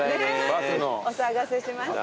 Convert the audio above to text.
お騒がせしました。